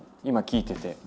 今聞いてて。